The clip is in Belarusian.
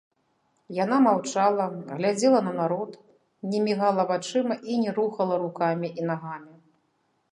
Яна маўчала, глядзела на народ, не мігала вачыма і не рухала рукамі і нагамі.